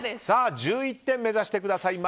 １１点目指してください。